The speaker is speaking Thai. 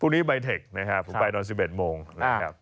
นี้ใบเทคนะครับผมไปตอน๑๑โมงนะครับ